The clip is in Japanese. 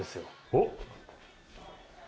おっ。